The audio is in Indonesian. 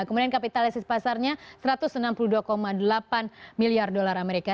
kemudian kapitalisasi pasarnya satu ratus enam puluh dua delapan miliar dolar amerika